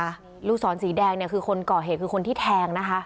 กลุ่มสีแดงไหนคือคนเกาะเหตุคือคนที่แทงนะคะ